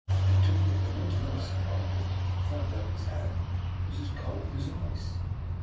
He took it, when to my surprise I found that his hand was as cold as ice.